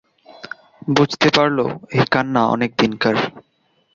বুঝতে পারল এই কান্না অনেকদিনকার।